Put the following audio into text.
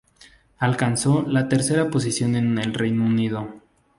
Alcanzó la tercera posición en el Reino Unido.